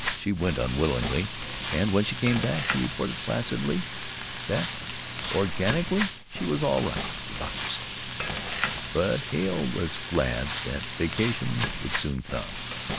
She went unwillingly, and when she came back she reported placidly that "organatically she was all right, the doctor said," but Hale was glad that vacation would soon come.